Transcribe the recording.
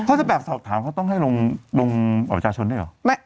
ถ้าจะแบบสอบถามเขาต้องให้ลงประชาชนด้วยเหรอ